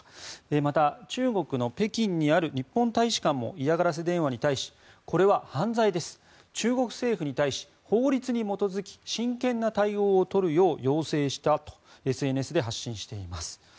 また、中国の北京にある日本大使館も嫌がらせ電話に対しこれは犯罪です中国政府に対し、法律に基づき真剣な対応を取るよう要請したとＳＮＳで発信しています。